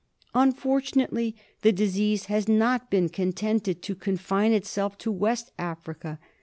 llj Unfortunately the disease has not been contented to confine itself to West Africa.